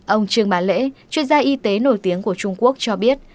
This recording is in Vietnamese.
ông trương bà lễ chuyên gia y tế nổi tiếng của trung quốc cho biết